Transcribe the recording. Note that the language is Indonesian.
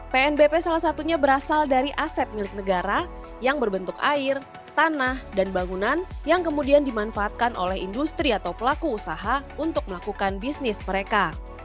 pnbp salah satunya berasal dari aset milik negara yang berbentuk air tanah dan bangunan yang kemudian dimanfaatkan oleh industri atau pelaku usaha untuk melakukan bisnis mereka